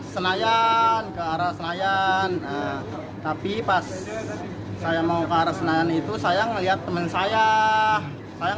senayan ke arah senayan tapi pas saya mau ke arah senayan itu saya melihat teman saya sayang